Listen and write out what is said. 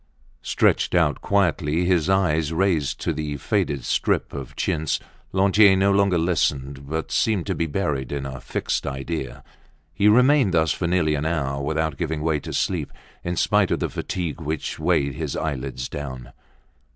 Stretched out quietly, his eyes raised to the faded strip of chintz, Lantier no longer listened, but seemed to be buried in a fixed idea. He remained thus for nearly an hour, without giving way to sleep, in spite of the fatigue which weighed his eyelids down.